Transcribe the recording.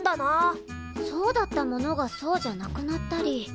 そうだったものがそうじゃなくなったり。